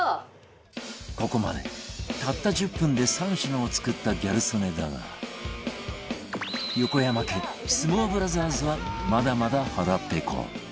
ここまでたった１０分で３品を作ったギャル曽根だが横山家相撲ブラザーズはまだまだ腹ペコ